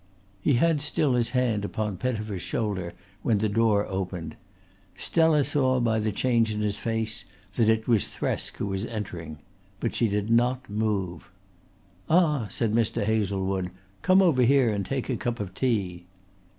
He had still his hand upon Pettifer's shoulder when the door opened. Stella saw by the change in his face that it was Thresk who was entering. But she did not move. "Ah," said Mr. Hazlewood. "Come over here and take a cup of tea."